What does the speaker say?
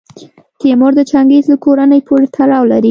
تیمور د چنګیز له کورنۍ پورې تړاو لري.